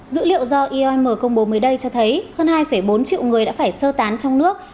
dữ liệu do iom công bố mới đây cho thấy hơn hai bốn triệu người đã phải sơ tán trong nước